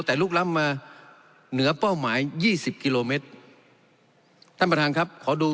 แต่ลุกล้ำมาเหนือเป้าหมายยี่สิบกิโลเมตรท่านประธานครับขอดู